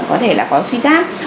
có thể là có suy giác